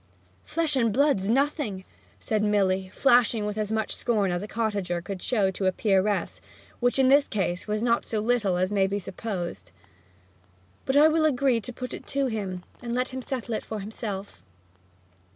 'Flesh and blood's nothing!' said Milly, flashing with as much scorn as a cottager could show to a peeress, which, in this case, was not so little as may be supposed. 'But I will agree to put it to him, and let him settle it for himself.'